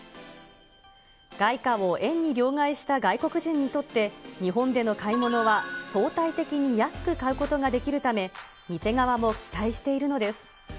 外貨を円に両替えした外国人にとって日本での買い物は、総体的に安く買うことができるため、店側も期待しているのです。